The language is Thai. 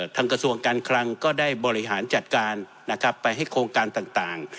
กระทรวงการคลังก็ได้บริหารจัดการนะครับไปให้โครงการต่าง